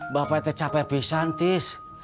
bapak capek pisantis